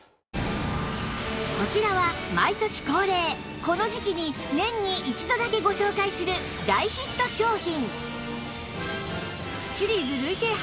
こちらは毎年恒例この時季に年に一度だけご紹介する大ヒット商品